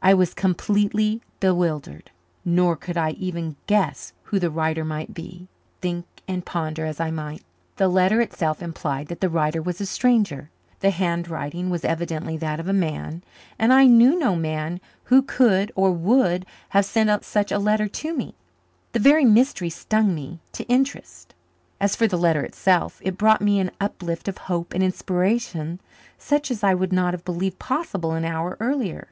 I was completely bewildered, nor could I even guess who the writer might be, think and ponder as I might. The letter itself implied that the writer was a stranger. The handwriting was evidently that of a man, and I knew no man who could or would have sent such a letter to me. The very mystery stung me to interest. As for the letter itself, it brought me an uplift of hope and inspiration such as I would not have believed possible an hour earlier.